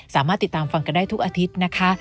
สามารถติดตามฟังกันได้ทุกอาทิตย์นะคะ